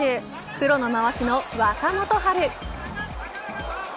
黒のまわしの若元春。